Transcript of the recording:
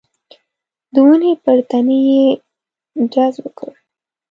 د ونې پر تنې يې ډز وکړ.